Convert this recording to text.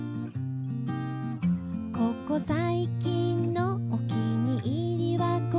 「ここ最近のお気に入りはこれ」